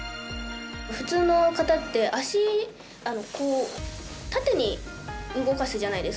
普通の方って足、縦に動かすじゃないですか。